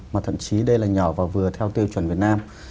mà thậm chí đây là nhỏ và vừa theo tiêu chuẩn việt nam